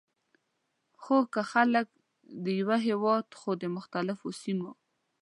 خو که خلک د یوه هیواد خو د مختلفو سیمو،